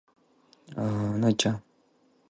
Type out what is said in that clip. Parts of the town walls have survived.